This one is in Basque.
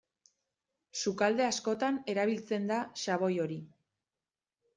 Sukalde askotan erabiltzen da xaboi hori.